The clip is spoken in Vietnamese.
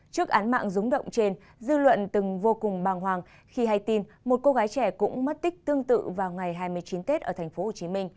trước án mạng rúng động trên dư luận từng vô cùng bàng hoàng khi hay tin một cô gái trẻ cũng mất tích tương tự vào ngày hai mươi chín tết ở tp hcm